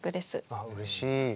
あっうれしい。